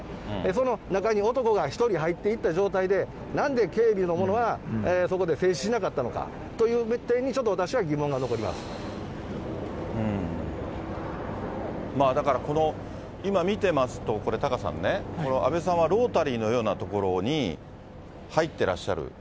その中に男が１人入っていった状態で、なんで警備の者がそこで制止しなかったのかという点に私は疑問がだから、今見てますと、これ、タカさんね、安倍さんはロータリーのような所に入ってらっしゃる。